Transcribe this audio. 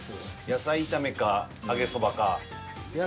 野菜炒めか揚げそば。